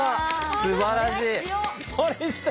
すばらしい。